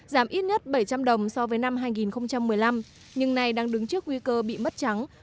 giảm ít nhất bảy trăm linh đồng so với năm hai nghìn một mươi năm nhưng nay đang đứng trước nguy cơ bị mất trắng